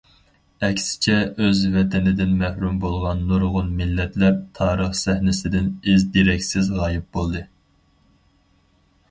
ئەكسىچە ئۆز ۋەتىنىدىن مەھرۇم بولغان نۇرغۇن مىللەتلەر تارىخ سەھنىسىدىن ئىز- دېرەكسىز غايىب بولدى.